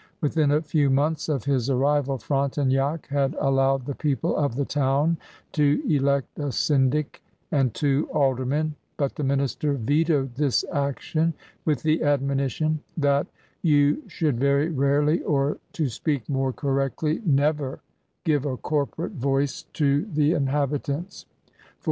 Within a few months of his arrival, Frontenac had allowed the people of the town to elect a syndic and two aldermen, but the minister vetoed this action with the admonition that "you should very rarely, or, to speak more correctly, never, give a corporate voice to the 84 CRUSADERS OF NEW FRANCE inhabitants, for